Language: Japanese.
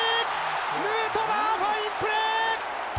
ヌートバー、ファインプレー！